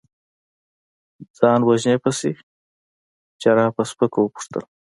ځان وژنې پسې؟ جراح په سپکه وپوښتل.